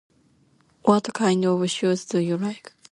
What kind of wishes do you like?